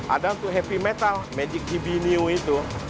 ada untuk heavy metal magic tv neo itu